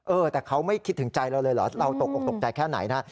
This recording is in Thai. เออแต่เขาไม่คิดถึงใจเราเลยเหรอเราตกออกตกใจแค่ไหนนะ